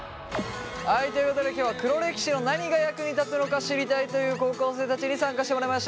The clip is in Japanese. はいということで今日は黒歴史の何が役に立つのか知りたいという高校生たちに参加してもらいました。